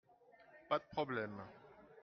Pas de problème.